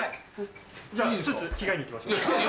じゃあ着替えに行きましょう。